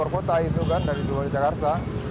dari kota itu kan dari jawa jakarta